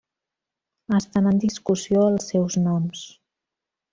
Estan en discussió els seus noms.